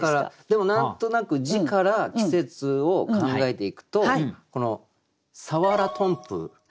でも何となく字から季節を考えていくとこの「さわらとんぷう」？